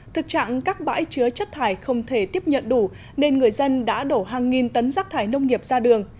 thực trạng các bãi chứa chất thải không thể tiếp nhận đủ nên người dân đã đổ hàng nghìn tấn rác thải nông nghiệp ra đường